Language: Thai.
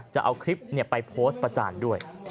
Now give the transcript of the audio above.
จะเอาคลิปไปโพสต์ประจานด้วย